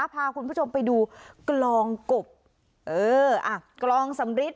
พาคุณผู้ชมไปดูกลองกบเอออ่ะกลองสำริด